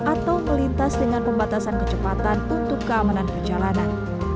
atau melintas dengan pembatasan kecepatan untuk keamanan perjalanan